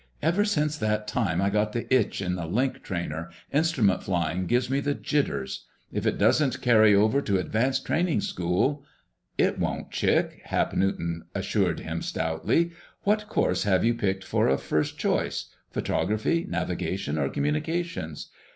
Ever since that time I got the itch in the Link Trainer, instrument flying gives me the jitters. If it doesn't carry over to advanced training school...." "It won't, Chick," Hap Newton assured him stoutly. "What course have you picked for a first choice—Photography, Navigation, or Communications?